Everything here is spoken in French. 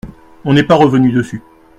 On n’est pas revenu dessus.